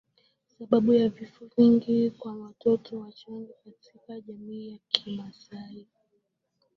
Sababu ya vifo vingi kwa watoto wachanga katika jamii ya kimasai